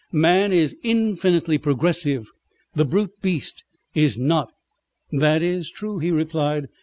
Man is infinitely progressive, the brute beast is not." "That is true," he replied.